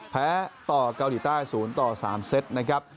แพ้ต่อเกาหลีใต้๐ต่อ๓เซตนะครับ